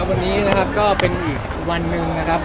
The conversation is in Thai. วันนี้นะครับก็เป็นอีกวันหนึ่งนะครับ